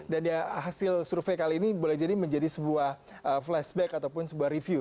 dan ya hasil survei kali ini boleh jadi menjadi sebuah flashback ataupun sebuah review